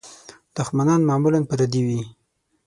دوښمنان معمولاً پردي وي.